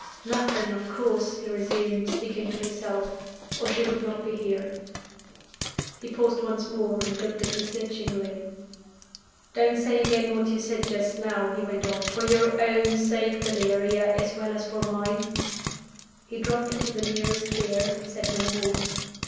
"Nothing, of course," he resumed, speaking to himself, "or she would not be here." He paused once more, and looked at me searchingly. "Don't say again what you said just now," he went on. "For your own sake, Valeria, as well as for mine." He dropped into the nearest chair, and said no more.